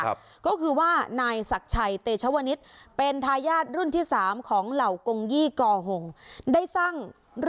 เอ็นว่านายศักดิ์ชัยเต็ชวณิตเป็นทายาทรุ่นที่สามของเหล่ากงยีกอหงได้สร้างนะอย่างล่อ